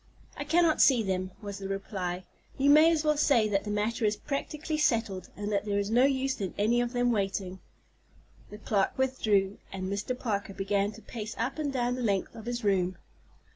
"I cannot see them," was the reply. "You may as well say that the matter is practically settled, and that there is no use in any of them waiting." The clerk withdrew, and Mr. Parker began to pace up and down the length of his room.